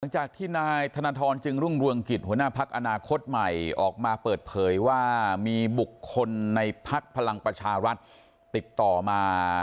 จากที่นายธนทรจึงรุ่งเรืองกิจหัวหน้าพักอนาคตใหม่ออกมาเปิดเผยว่ามีบุคคลในพักพลังประชารัฐติดต่อมา